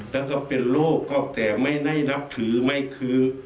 แล้วก็เป็นลูกก็แต่ไม่ได้นับถือไม่คือ